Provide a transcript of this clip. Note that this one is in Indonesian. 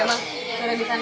kita akan lihat